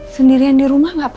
sendirian di rumah gak apa apa